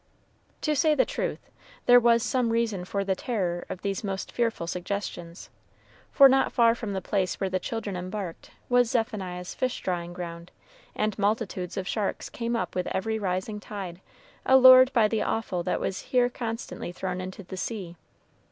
To say the truth, there was some reason for the terror of these most fearful suggestions; for not far from the place where the children embarked was Zephaniah's fish drying ground, and multitudes of sharks came up with every rising tide, allured by the offal that was here constantly thrown into the sea.